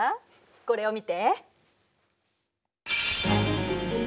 これを見て。